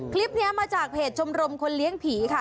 คลิปนี้มาจากเพจชมรมคนเลี้ยงผีค่ะ